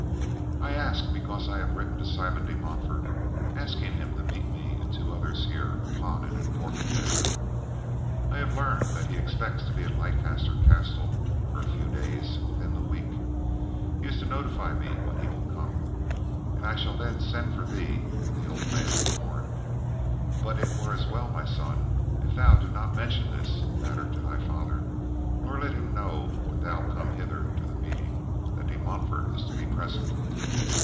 "I ask because I have written to Simon de Montfort asking him to meet me and two others here upon an important matter. I have learned that he expects to be at his Leicester castle, for a few days, within the week. He is to notify me when he will come and I shall then send for thee and the old man of Torn; but it were as well, my son, that thou do not mention this matter to thy father, nor let him know when thou come hither to the meeting that De Montfort is to be present."